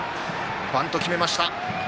バント決めました。